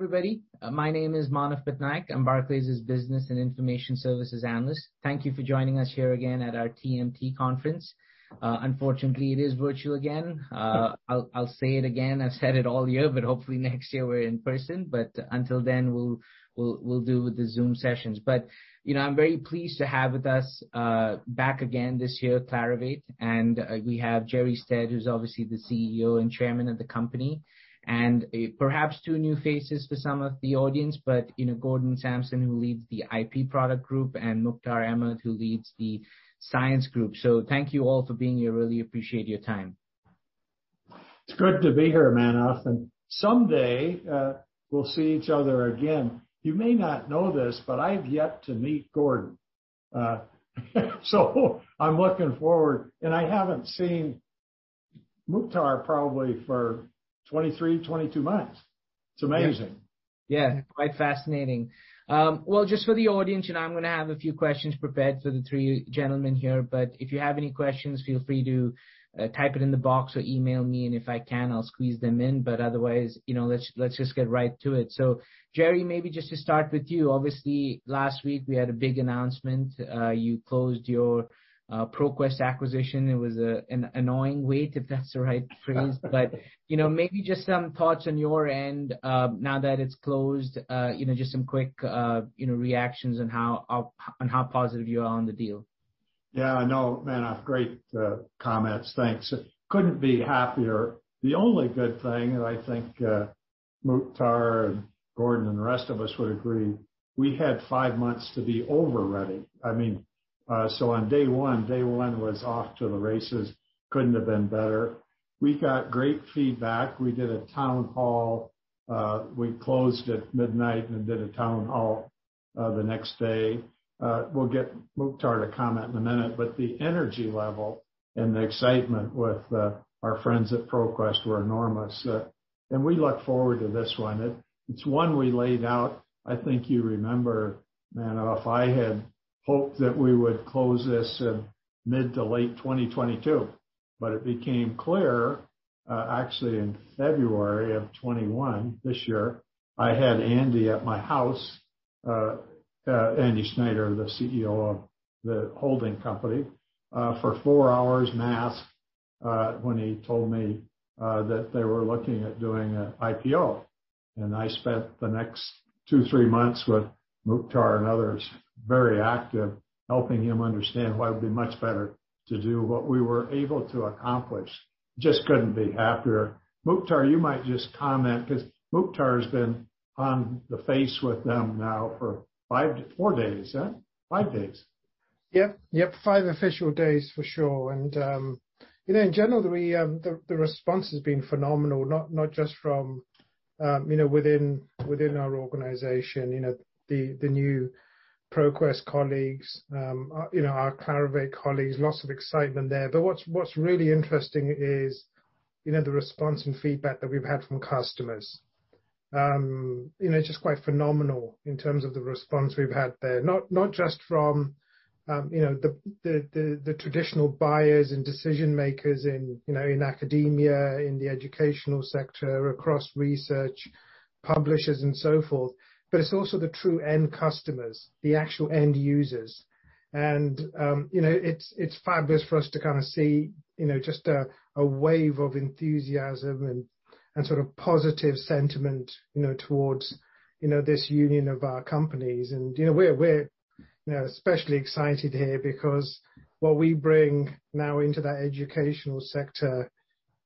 Everybody, my name is Manav Patnaik. I'm Barclays' Business and Information Services analyst. Thank you for joining us here again at our TMT conference. Unfortunately, it is virtual again. I'll say it again. I've said it all year, but hopefully next year we're in person. Until then, we'll do with the Zoom sessions. You know, I'm very pleased to have with us back again this year, Clarivate. We have Jerre Stead, who's obviously the CEO and Chairman of the company. Perhaps two new faces for some of the audience, but you know, Gordon Samson, who leads the IP product group, and Mukhtar Ahmed, who leads the science group. Thank you all for being here. Really appreciate your time. It's good to be here, Manav. Someday, we'll see each other again. You may not know this, but I've yet to meet Gordon. I'm looking forward. I haven't seen Mukhtar probably for 23, 22 months. It's amazing. Yeah. Quite fascinating. Well, just for the audience, and I'm gonna have a few questions prepared for the three gentlemen here, but if you have any questions, feel free to type it in the box or email me, and if I can, I'll squeeze them in. Otherwise, you know, let's just get right to it. Jerre, maybe just to start with you. Obviously, last week we had a big announcement. You closed your ProQuest acquisition. It was an agonizing wait, if that's the right phrase. You know, maybe just some thoughts on your end now that it's closed, you know, just some quick reactions on how positive you are on the deal. Yeah. No, Manav, great comments. Thanks. Couldn't be happier. The only good thing, and I think, Mukhtar and Gordon and the rest of us would agree, we had five months to be over-ready. I mean, so on day one was off to the races. Couldn't have been better. We got great feedback. We did a town hall. We closed at midnight and did a town hall the next day. We'll get Mukhtar to comment in a minute, but the energy level and the excitement with our friends at ProQuest were enormous. We look forward to this one. It's one we laid out, I think you remember, Manav. I had hoped that we would close this in mid- to late 2022, but it became clear actually in February 2021, this year. I had Andy at my house, Andy Snyder, the CEO of the holding company, for four hours masked, when he told me that they were looking at doing an IPO. I spent the next two or three months with Mukhtar and others, very active, helping him understand why it would be much better to do what we were able to accomplish. Just couldn't be happier. Mukhtar, you might just comment 'cause Mukhtar's been face to face with them now for five or four days, huh? Five days. Yep. Yep. Five official days for sure. In general, the response has been phenomenal, not just from, you know, within our organization. You know, the new ProQuest colleagues, you know, our Clarivate colleagues, lots of excitement there. But what's really interesting is, you know, the response and feedback that we've had from customers. You know, just quite phenomenal in terms of the response we've had there. Not just from, you know, the traditional buyers and decision-makers in, you know, in academia, in the educational sector, across research, publishers and so forth, but it's also the true end customers, the actual end users. You know, it's fabulous for us to kinda see, you know, just a wave of enthusiasm and sort of positive sentiment, you know, towards, you know, this union of our companies. You know, we're especially excited here because what we bring now into that educational sector,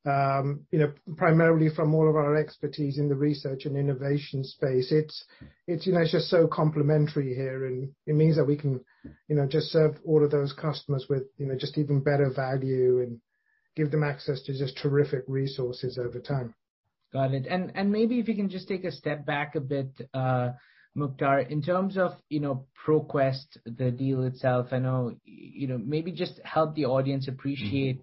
you know, primarily from all of our expertise in the research and innovation space, it's, you know, it's just so complementary here, and it means that we can, you know, just serve all of those customers with, you know, just even better value and give them access to just terrific resources over time. Got it. Maybe if you can just take a step back a bit, Mukhtar. In terms of, you know, ProQuest, the deal itself, I know. You know, maybe just help the audience appreciate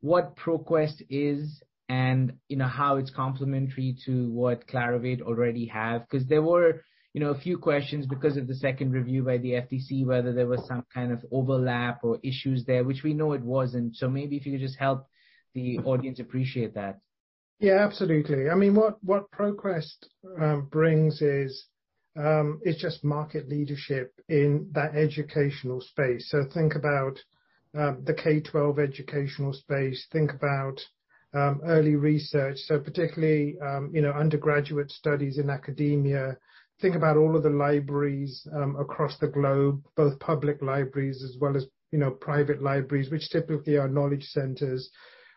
what ProQuest is and, you know, how it's complementary to what Clarivate already have. 'Cause there were, you know, a few questions because of the second review by the FTC, whether there was some kind of overlap or issues there, which we know it wasn't. Maybe if you could just help the audience appreciate that. Yeah, absolutely. I mean, what ProQuest brings is just market leadership in that educational space. Think about the K-12 educational space, think about early research, so particularly you know, undergraduate studies in academia. Think about all of the libraries across the globe, both public libraries as well as you know, private libraries, which typically are knowledge centers.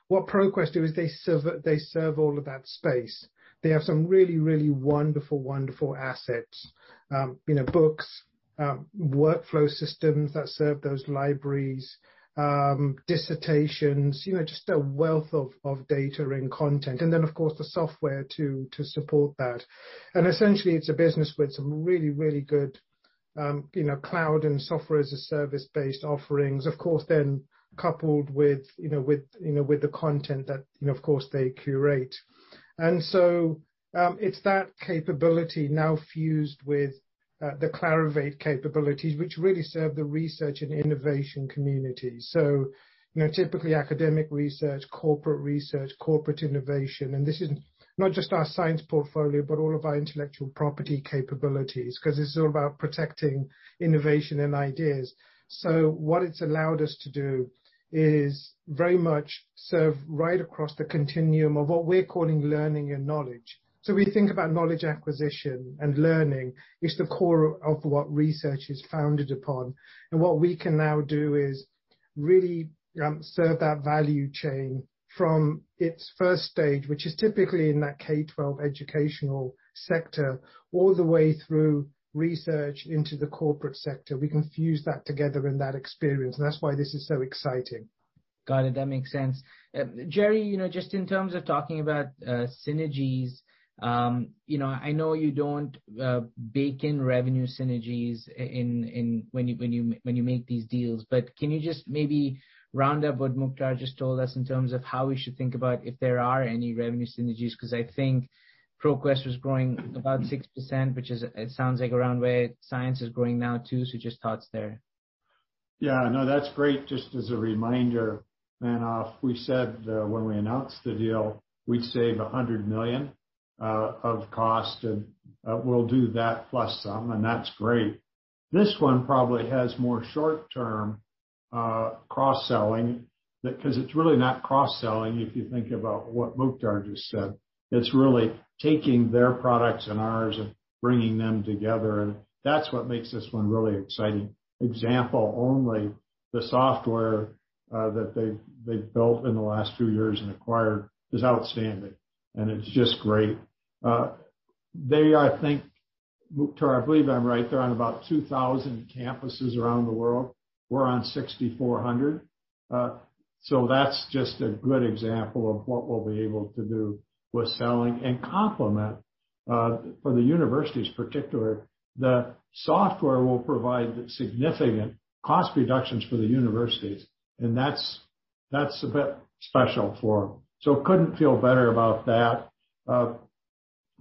What ProQuest do is they serve all of that space. They have some really wonderful assets. You know, books, workflow systems that serve those libraries, dissertations, you know, just a wealth of data and content, and then, of course, the software to support that. Essentially, it's a business with some really good you know, cloud and software as a service-based offerings. Of course, coupled with you know the content that you know of course they curate. It's that capability now fused with the Clarivate capabilities, which really serve the research and innovation community. You know, typically academic research, corporate research, corporate innovation. This is not just our science portfolio, but all of our intellectual property capabilities, 'cause it's all about protecting innovation and ideas. What it's allowed us to do is very much serve right across the continuum of what we're calling learning and knowledge. We think about knowledge acquisition and learning is the core of what research is founded upon. What we can now do is really serve that value chain from its first stage, which is typically in that K-12 educational sector, all the way through research into the corporate sector. We can fuse that together in that experience, and that's why this is so exciting. Got it. That makes sense. Jerre, you know, just in terms of talking about synergies, you know, I know you don't bake in revenue synergies in when you make these deals. Can you just maybe round up what Mukhtar just told us in terms of how we should think about if there are any revenue synergies, 'cause I think ProQuest was growing about 6%, which is, it sounds like around where science is growing now too. Just thoughts there. Yeah, no, that's great. Just as a reminder, Manav, we said that when we announced the deal, we'd save $100 million of cost, and we'll do that plus some, and that's great. This one probably has more short-term cross-selling that—'cause it's really not cross-selling, if you think about what Mukhtar just said. It's really taking their products and ours and bringing them together, and that's what makes this one really exciting. Example only, the software that they've built in the last few years and acquired is outstanding, and it's just great. They are, I think, Mukhtar, I believe I'm right, they're on about 2,000 campuses around the world. We're on 6,400. So that's just a good example of what we'll be able to do with selling and complementary, particularly for the universities. The software will provide significant cost reductions for the universities, and that's a bit special for them. Couldn't feel better about that.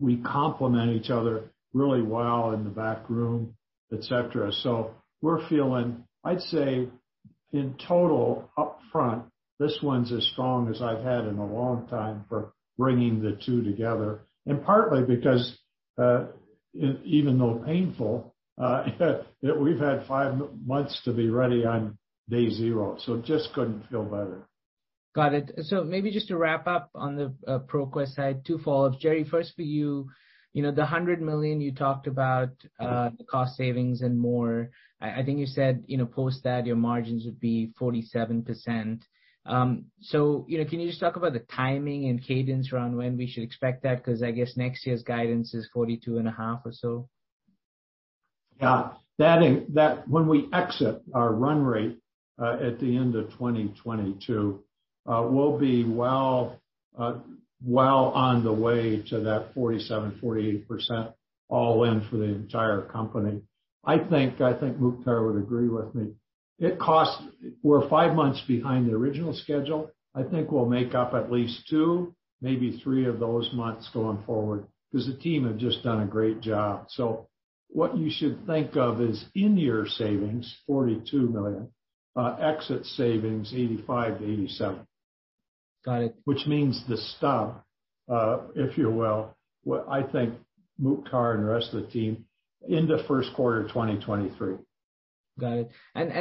We complement each other really well in the back room, et cetera. We're feeling, I'd say in total upfront, this one's as strong as I've had in a long time for bringing the two together. Partly because, even though painful, we've had five months to be ready on day zero. Just couldn't feel better. Got it. Maybe just to wrap up on the ProQuest side, two follow-ups. Jerre, first for you know, the $100 million you talked about, the cost savings and more, I think you said, you know, post that, your margins would be 47%. So, you know, can you just talk about the timing and cadence around when we should expect that? 'Cause I guess next year's guidance is 42.5% or so. Yeah. When we exit our run rate at the end of 2022, we'll be well on the way to that 47%-48% all in for the entire company. I think Mukhtar would agree with me. We're five months behind the original schedule. I think we'll make up at least two, maybe three of those months going forward, 'cause the team have just done a great job. What you should think of is in-year savings, $42 million. Exit savings, $85 million-$87 million. Got it. Which means the stub, if you will, I think Mukhtar and the rest of the team into first quarter of 2023. Got it.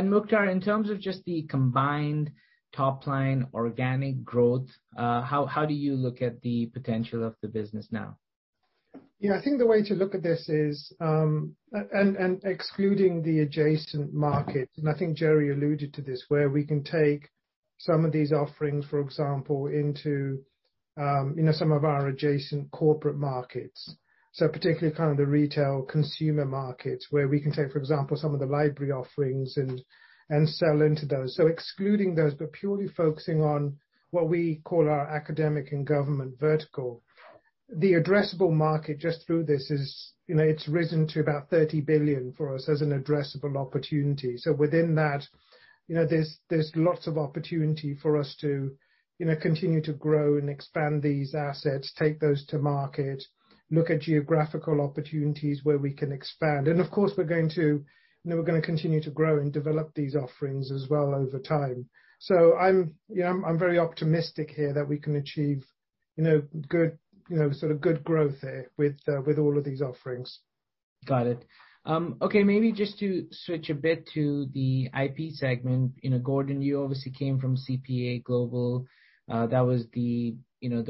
Mukhtar, in terms of just the combined top line organic growth, how do you look at the potential of the business now? Yeah. I think the way to look at this is, and excluding the adjacent market, and I think Jerre alluded to this, where we can take some of these offerings, for example, into, you know, some of our adjacent corporate markets. Particularly kind of the retail consumer markets, where we can take, for example, some of the library offerings and sell into those. Excluding those, but purely focusing on what we call our academic and government vertical, the addressable market just through this is, you know, it's risen to about $30 billion for us as an addressable opportunity. Within that, you know, there's lots of opportunity for us to, you know, continue to grow and expand these assets, take those to market, look at geographical opportunities where we can expand. Of course, you know, we're gonna continue to grow and develop these offerings as well over time. I'm, you know, very optimistic here that we can achieve, you know, good, you know, sort of good growth here with all of these offerings. Got it. Okay, maybe just to switch a bit to the IP segment. You know, Gordon, you obviously came from CPA Global. That was the, you know,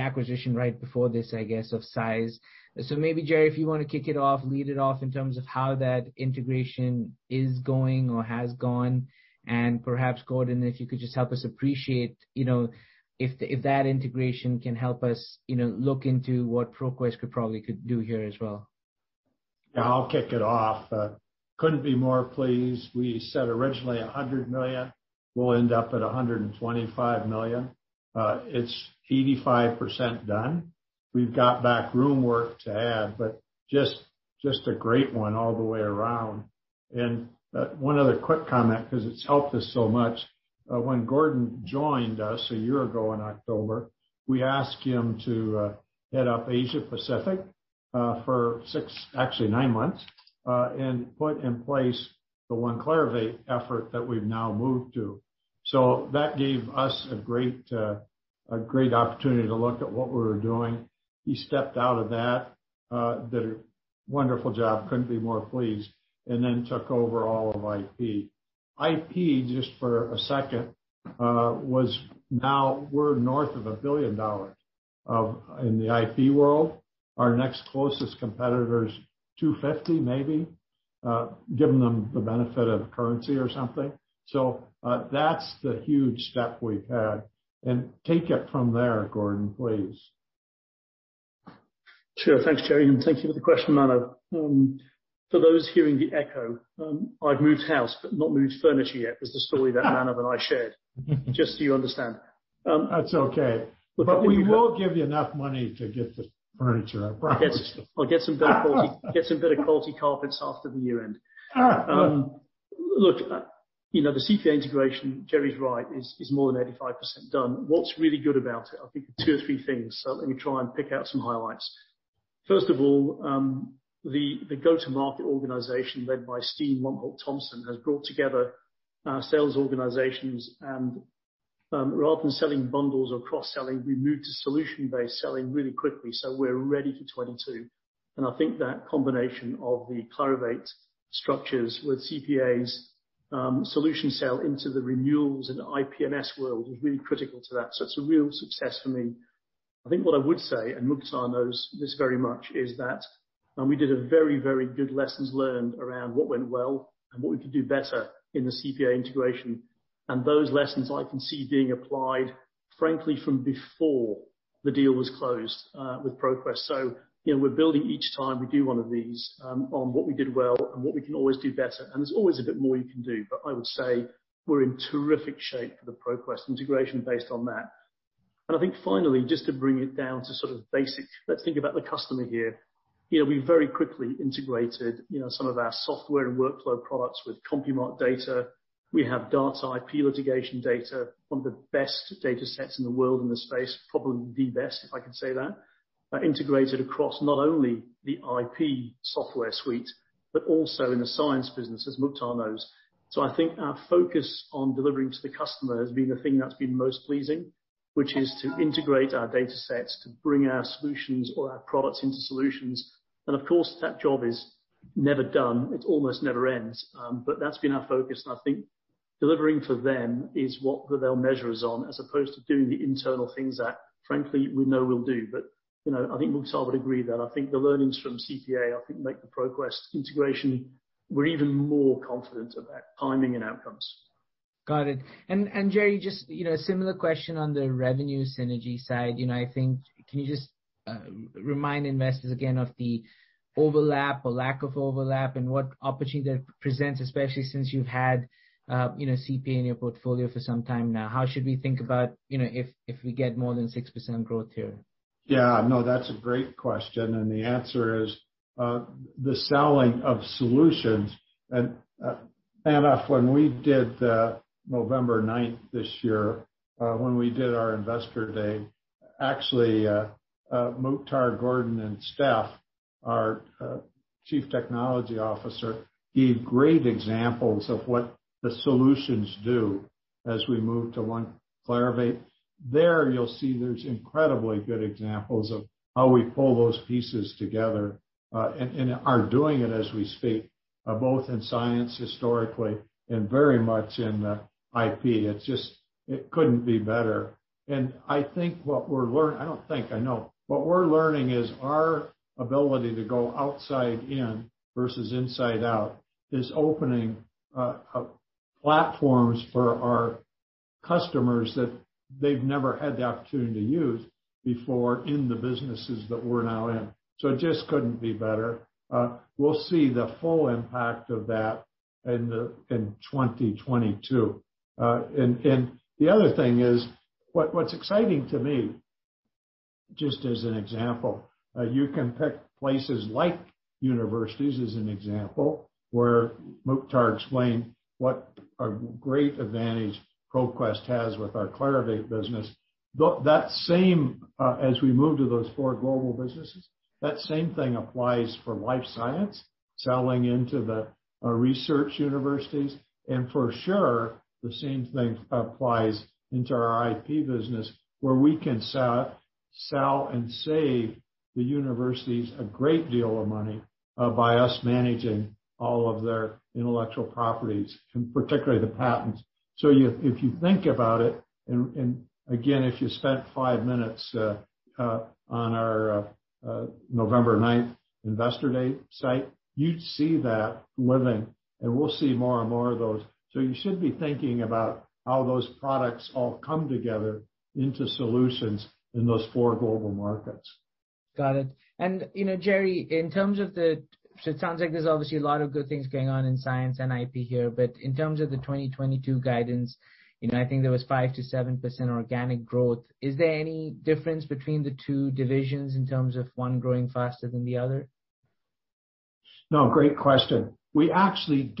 acquisition right before this, I guess, of size. Maybe, Jerre, if you wanna kick it off, lead it off in terms of how that integration is going or has gone. Perhaps, Gordon, if you could just help us appreciate, you know, if that integration can help us, you know, look into what ProQuest could probably do here as well. Yeah, I'll kick it off. Couldn't be more pleased. We said originally $100 million. We'll end up at $125 million. It's 85% done. We've got back room work to add, but just a great one all the way around. One other quick comment, 'cause it's helped us so much. When Gordon joined us a year ago in October, we asked him to head up Asia Pacific for six, actually nine months, and put in place the One Clarivate effort that we've now moved to. That gave us a great opportunity to look at what we were doing. He stepped out of that, did a wonderful job, couldn't be more pleased, and then took over all of IP. IP, just for a second, now we're north of $1 billion in the IP world. Our next closest competitor is $250 million, maybe, giving them the benefit of currency or something. That's the huge step we've had. Take it from there, Gordon, please. Sure. Thanks, Jerre, and thank you for the question, Manav. For those hearing the echo, I've moved house but not moved furniture yet, is the story that Manav and I shared. Just so you understand, That's okay. We will give you enough money to get the furniture, I promise. I'll get some better quality carpets after the year end. Good. Look, you know, the CPA integration, Jerre's right, is more than 85% done. What's really good about it, I think are two or three things, so let me try and pick out some highlights. First of all, the go-to-market organization led by Steve Thompson has brought together our sales organizations and, rather than selling bundles or cross-selling, we moved to solution-based selling really quickly, so we're ready for 2022. I think that combination of the Clarivate structures with CPA's solution sale into the renewals and IP&S world was really critical to that. It's a real success for me. I think what I would say, and Mukhtar knows this very much, is that when we did a very, very good lessons learned around what went well and what we could do better in the CPA integration, and those lessons I can see being applied, frankly, from before the deal was closed, with ProQuest. You know, we're building each time we do one of these, on what we did well and what we can always do better. There's always a bit more you can do. I would say we're in terrific shape for the ProQuest integration based on that. I think finally, just to bring it down to sort of basic, let's think about the customer here. You know, we very quickly integrated, you know, some of our software and workflow products with CompuMark data. We have Darts-ip litigation data, one of the best data sets in the world in this space, probably the best, if I can say that, integrated across not only the IP software suite, but also in the science business, as Mukhtar knows. I think our focus on delivering to the customer has been the thing that's been most pleasing, which is to integrate our data sets, to bring our solutions or our products into solutions. Of course, that job is never done. It almost never ends. That's been our focus. I think delivering for them is what they'll measure us on as opposed to doing the internal things that, frankly, we know we'll do. You know, I think Mukhtar would agree that I think the learnings from CPA, I think, make the ProQuest integration. We're even more confident about timing and outcomes. Got it. Jerre, just, you know, similar question on the revenue synergy side. You know, I think can you just, remind investors again of the overlap or lack of overlap and what opportunity that presents, especially since you've had, you know, CPA in your portfolio for some time now. How should we think about, you know, if we get more than 6% growth here? Yeah, no, that's a great question. The answer is the selling of solutions. Manav, when we did November ninth this year, when we did our investor day, actually, Mukhtar, Gordon, and Steph, our Chief Technology Officer, gave great examples of what the solutions do as we move to One Clarivate. There you'll see there are incredibly good examples of how we pull those pieces together, and are doing it as we speak, both in science historically and very much in the IP. It's just it couldn't be better. I know. What we're learning is our ability to go outside in versus inside out is opening platforms for our customers that they've never had the opportunity to use before in the businesses that we're now in. It just couldn't be better. We'll see the full impact of that in 2022. The other thing is what's exciting to me, just as an example, you can pick places like universities as an example, where Mukhtar explained what a great advantage ProQuest has with our Clarivate business. That same, as we move to those four global businesses, that same thing applies for life science, selling into the research universities, and for sure, the same thing applies into our IP business, where we can sell and save the universities a great deal of money, by us managing all of their intellectual properties, and particularly the patents. If you think about it, and again, if you spent five minutes on our November ninth Investor Day site, you'd see that living, and we'll see more and more of those. You should be thinking about how those products all come together into solutions in those four global markets. Got it. You know, Jerre, in terms of the, so it sounds like there's obviously a lot of good things going on in science and IP here, but in terms of the 2022 guidance, you know, I think there was 5%-7% organic growth. Is there any difference between the two divisions in terms of one growing faster than the other? No, great question. Actually,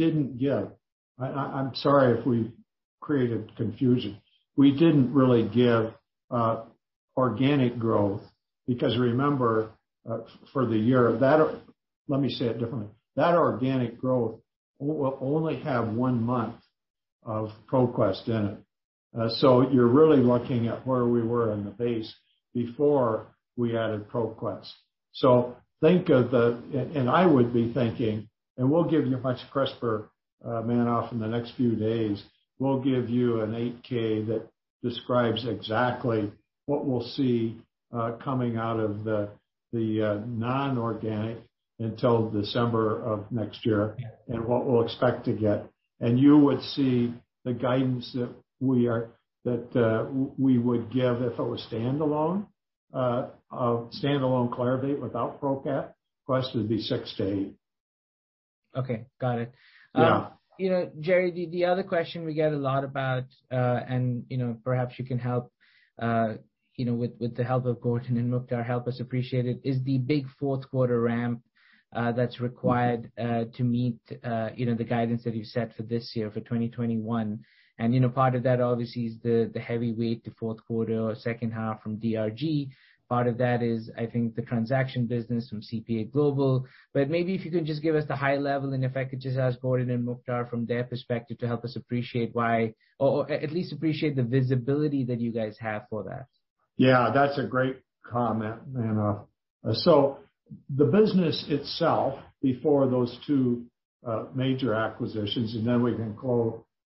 I'm sorry if we created confusion. We didn't really give organic growth because remember, for the year. Let me say it differently. That organic growth will only have one month of ProQuest in it. You're really looking at where we were in the base before we added ProQuest. I would be thinking, and we'll give you a much crisper, Manav, in the next few days. We'll give you an 8-K that describes exactly what we'll see coming out of the inorganic until December of next year and what we'll expect to get. You would see the guidance that we would give if it was standalone Clarivate without ProQuest would be 6%-8%. Okay. Got it. Yeah. You know, Jerre, the other question we get a lot about, you know, perhaps you can help, with the help of Gordon and Mukhtar, help us appreciate it, is the big fourth quarter ramp that's required. Mm-hmm. To meet, you know, the guidance that you set for this year for 2021. You know, part of that obviously is the heavy weight to fourth quarter or second half from DRG. Part of that is, I think, the transaction business from CPA Global. Maybe if you could just give us the high level and if I could just ask Gordon and Mukhtar from their perspective to help us appreciate why or at least appreciate the visibility that you guys have for that. Yeah, that's a great comment, Manav. The business itself before those two major acquisitions, and then we can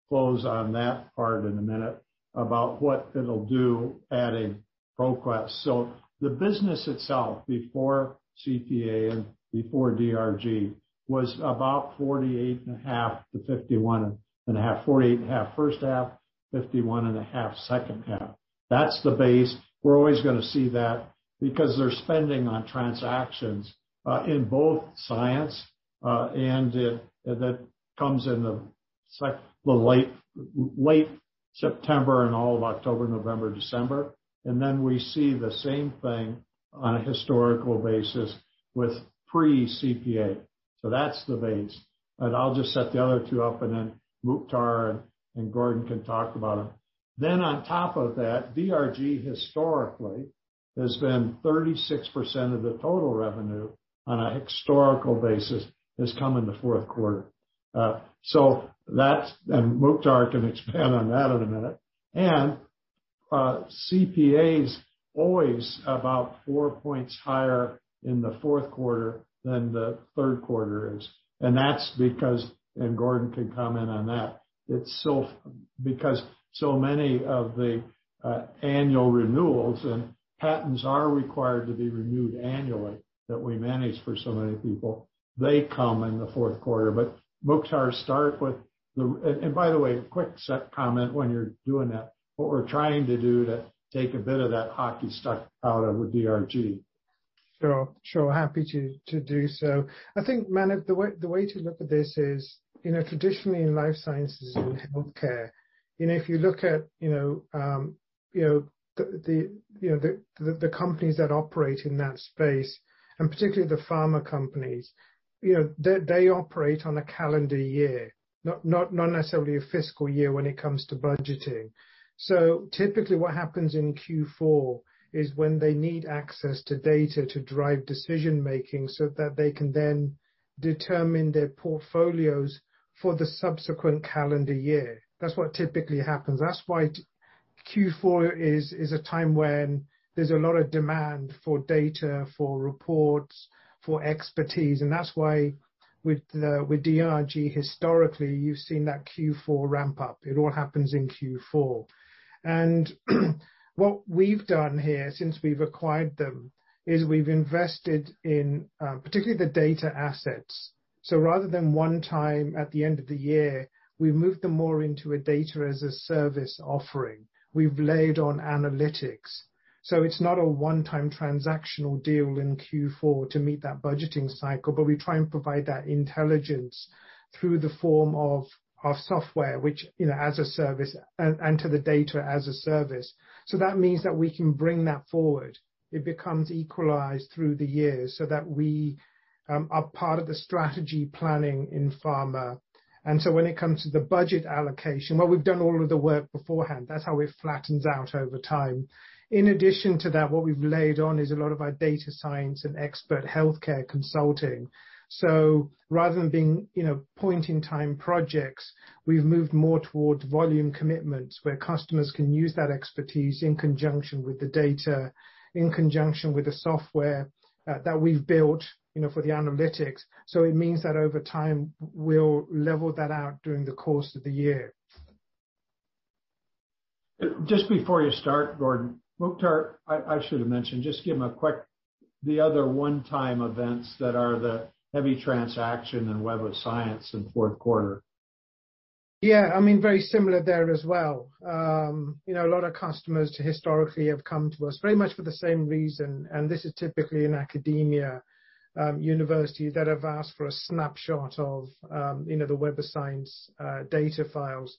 close on that part in a minute about what it'll do adding ProQuest. The business itself before CPA and before DRG was about $48.5 million-$51.5 million. $48.5 million first half, $51.5 million second half. That's the base. We're always gonna see that because they're spending on transactions in both science and IP, that comes in the second half, the late September and all of October, November, December. We see the same thing on a historical basis with pre-CPA. That's the base. I'll just set the other two up, and then Mukhtar and Gordon can talk about them. On top of that, DRG historically has been 36% of the total revenue. On a historical basis, it has come in the fourth quarter. Mukhtar can expand on that in a minute. CPA's always about four points higher in the fourth quarter than the third quarter. That's because Gordon can comment on that. It's because so many of the annual renewals and patents are required to be renewed annually that we manage for so many people. They come in the fourth quarter. Mukhtar, start with the. By the way, quick comment when you're doing that, what we're trying to do to take a bit of that hockey stick out of DRG. Sure. Happy to do so. I think, Manav, the way to look at this is, you know, traditionally in life sciences and healthcare, you know, if you look at, you know, the companies that operate in that space, and particularly the pharma companies, you know, they operate on a calendar year, not necessarily a fiscal year when it comes to budgeting. Typically what happens in Q4 is when they need access to data to drive decision-making so that they can then determine their portfolios for the subsequent calendar year. That's what typically happens. That's why Q4 is a time when there's a lot of demand for data, for reports, for expertise. That's why with DRG historically, you've seen that Q4 ramp up. It all happens in Q4. What we've done here since we've acquired them is we've invested in particularly the data assets. Rather than one time at the end of the year, we've moved them more into a data-as-a-service offering. We've layered on analytics. It's not a one-time transactional deal in Q4 to meet that budgeting cycle, but we try and provide that intelligence through the form of our software, which, you know, as a service and to the data as a service. That means that we can bring that forward. It becomes equalized through the years so that we are part of the strategy planning in pharma. When it comes to the budget allocation, well, we've done all of the work beforehand. That's how it flattens out over time. In addition to that, what we've layered on is a lot of our data science and expert healthcare consulting. Rather than being, you know, point-in-time projects, we've moved more towards volume commitments where customers can use that expertise in conjunction with the data, in conjunction with the software, that we've built, you know, for the analytics. It means that over time, we'll level that out during the course of the year. Just before you start, Gordon, Mukhtar, I should have mentioned, just give them a quick, the other one-time events that are the heavy transaction in Web of Science in fourth quarter. Yeah, I mean, very similar there as well. You know, a lot of customers historically have come to us very much for the same reason, and this is typically in academia, universities that have asked for a snapshot of, you know, the Web of Science, data files.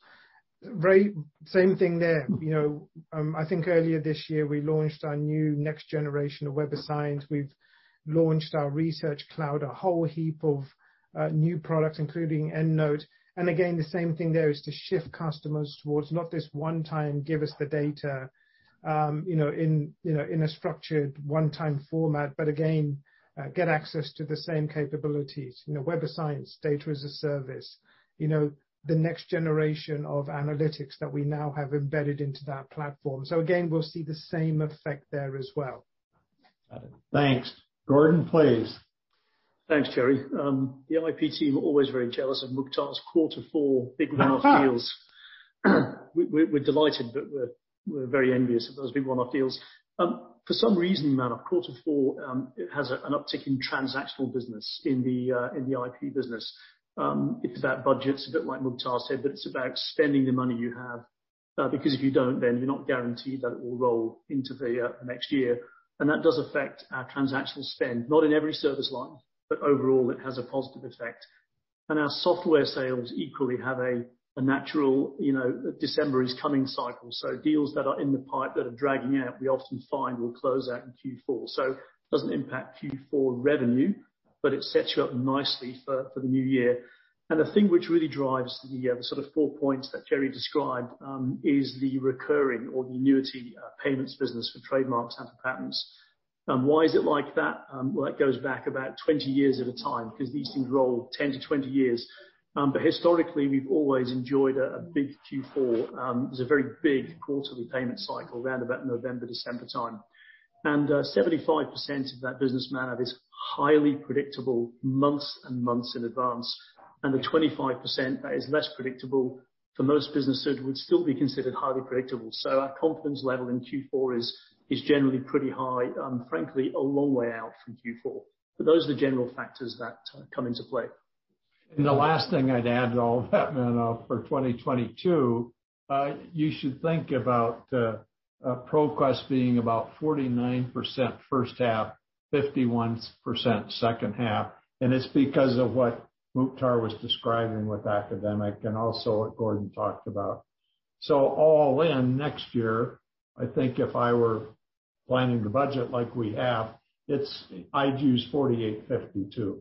Very same thing there. You know, I think earlier this year, we launched our new next generation of Web of Science. We've launched our Research Cloud, a whole heap of new products, including EndNote. Again, the same thing there is to shift customers towards not this one time, give us the data, you know, in, you know, in a structured one-time format, but again, get access to the same capabilities. You know, Web of Science, data as a service, you know, the next generation of analytics that we now have embedded into that platform. Again, we'll see the same effect there as well. Got it. Thanks. Gordon, please. Thanks, Jerre. The IP team are always very jealous of Mukhtar's quarter four big round of deals. We're delighted, but we're very envious of those big round of deals. For some reason, Manav, quarter four, it has an uptick in transactional business in the IP business. It's about budgets, a bit like Mukhtar said, but it's about spending the money you have, because if you don't, then you're not guaranteed that it will roll into the next year. That does affect our transactional spend, not in every service line, but overall, it has a positive effect. Our software sales equally have a natural, you know, December-ending cycle. Deals that are in the pipeline that are dragging out, we often find will close out in Q4. Doesn't impact Q4 revenue, but it sets you up nicely for the new year. The thing which really drives the sort of four points that Jerre described is the recurring or the annuity payments business for trademarks and for patents. Why is it like that? Well, it goes back about 20 years at a time, 'cause these things roll 10-20 years. Historically, we've always enjoyed a big Q4. There's a very big quarterly payment cycle around about November, December time. 75% of that business, Manav, is highly predictable months and months in advance. The 25% that is less predictable for most businesses would still be considered highly predictable. Our confidence level in Q4 is generally pretty high, frankly, a long way out from Q4. Those are the general factors that come into play. The last thing I'd add to all of that, Manav, for 2022, you should think about ProQuest being about 49% first half, 51% second half, and it's because of what Mukhtar was describing with academic and also what Gordon talked about. All in next year, I think if I were planning the budget like we have, it's. I'd use 48-52.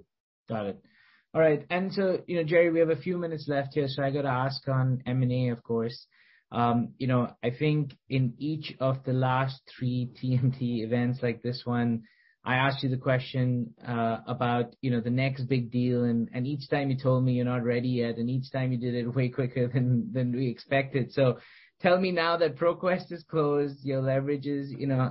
Got it. All right. You know, Jerre, we have a few minutes left here, so I gotta ask on M&A, of course. You know, I think in each of the last three TMT events like this one, I asked you the question about, you know, the next big deal, and each time you told me you're not ready yet, and each time you did it way quicker than we expected. Tell me now that ProQuest is closed, your leverage is, you know,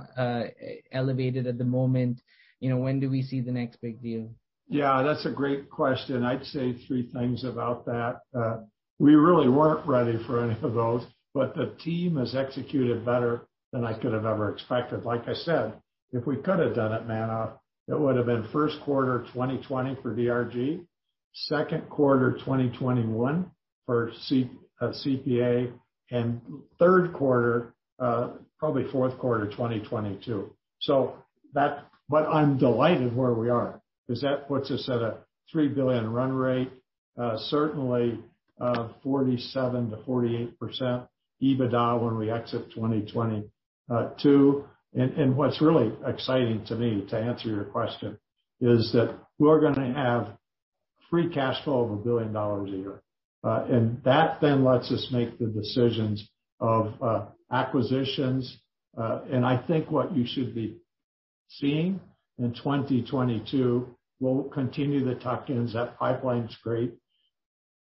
elevated at the moment, you know, when do we see the next big deal? Yeah, that's a great question. I'd say three things about that. We really weren't ready for any of those, but the team has executed better than I could have ever expected. Like I said, if we could have done it, Manav, it would've been first quarter 2020 for DRG, second quarter 2021 for CPA, and third quarter, probably fourth quarter of 2022. But I'm delighted where we are, 'cause that puts us at a $3 billion run rate, certainly, 47%-48% EBITDA when we exit 2022. What's really exciting to me, to answer your question, is that we're gonna have free cash flow of $1 billion a year. That then lets us make the decisions of acquisitions. I think what you should be seeing in 2022, we'll continue the tuck-ins. That pipeline's great.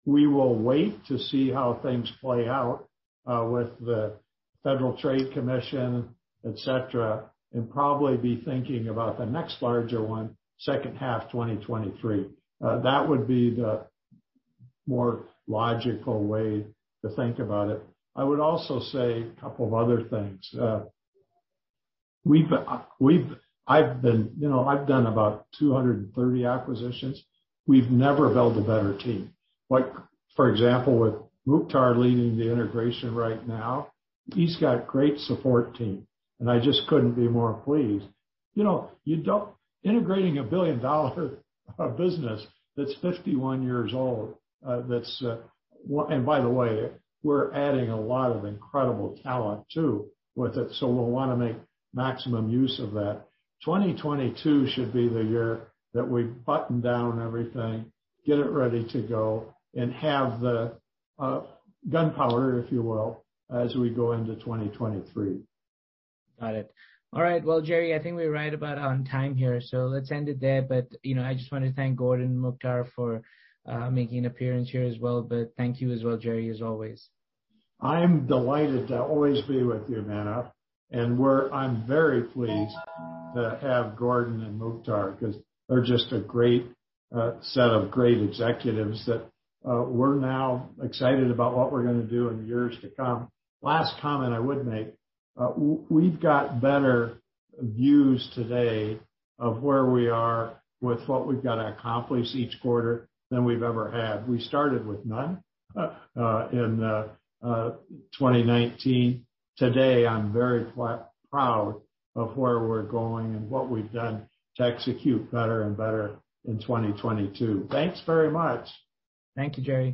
We will wait to see how things play out with the Federal Trade Commission, et cetera, and probably be thinking about the next larger one second half 2023. That would be the more logical way to think about it. I would also say a couple of other things. I've been, you know, I've done about 230 acquisitions. We've never built a better team. Like, for example, with Mukhtar leading the integration right now, he's got great support team, and I just couldn't be more pleased. You know, Integrating a billion-dollar business that's 51 years old, and by the way, we're adding a lot of incredible talent too with it, so we'll wanna make maximum use of that. 2022 should be the year that we button down everything, get it ready to go, and have the gunpowder, if you will, as we go into 2023. Got it. All right. Well, Jerre, I think we're right about on time here, so let's end it there. You know, I just wanted to thank Gordon and Mukhtar for making an appearance here as well. Thank you as well, Jerre, as always. I'm delighted to always be with you, Manav. I'm very pleased to have Gordon and Mukhtar, 'cause they're just a great set of great executives that we're now excited about what we're gonna do in the years to come. Last comment I would make, we've got better views today of where we are with what we've gotta accomplish each quarter than we've ever had. We started with none in 2019. Today, I'm very proud of where we're going and what we've done to execute better and better in 2022. Thanks very much. Thank you, Jerre.